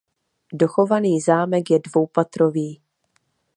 Dochovaný zámek je dvoupatrový.